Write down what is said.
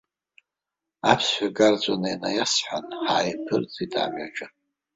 Аԥсшәа карҵәаны инаиасҳәан, ҳааиԥырҵит амҩаҿы.